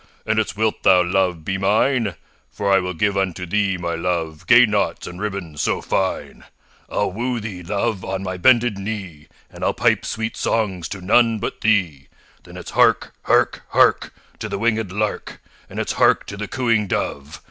And it's wilt thou, love, be mine? For I will give unto thee, my love, Gay knots and ribbons so fine. I'll woo thee, love, on my bended knee, And I'll pipe sweet songs to none but thee. Then it's hark! hark! hark! To the winged lark And it's hark to the cooing dove!